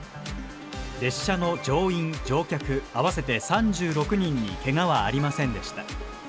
列車の乗員・乗客合わせて３６人にけがはありませんでした。